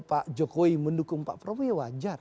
pak jokowi mendukung pak prabowo ya wajar